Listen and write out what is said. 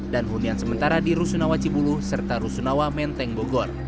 dan hunian sementara di rusunawa cibulu serta rusunawa menteng bogor